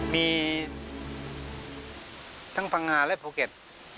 มีทั้งพังงาและภูเก็ต